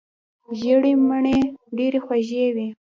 ژېړې مڼې ډېرې خوږې وي.